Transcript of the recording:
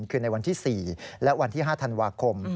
คือในวันที่๔และวันที่๕ธันวาคม